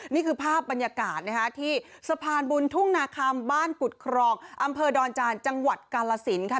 นี่คือภาพบรรยากาศนะคะที่สะพานบุญทุ่งนาคำบ้านกุฎครองอำเภอดอนจานจังหวัดกาลสินค่ะ